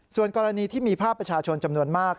ส่วนกรณีที่มีภาพประชาชนจำนวนมาก